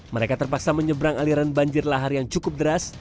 mereka terpaksa menyeberang aliran banjir lahar yang cukup deras